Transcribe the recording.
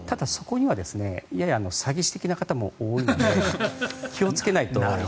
ただ、そこにはやや詐欺師的な方も多いので気をつけないと。